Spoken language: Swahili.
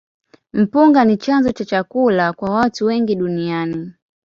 Mpunga ni chanzo cha chakula kwa watu wengi duniani.